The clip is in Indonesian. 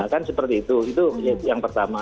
kan seperti itu itu yang pertama